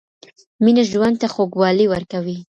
مینه ژوند ته خوږوالی ورکوي